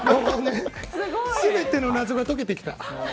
全ての謎が解けてきた。